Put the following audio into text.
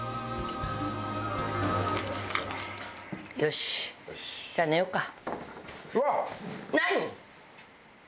よしじゃあ寝ようか。